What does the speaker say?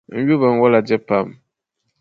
N yu binwola dibu pam.